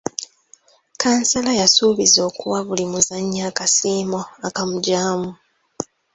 Kansala y’asuubiza okuwa buli muzannyi akasiimo akamugyamu.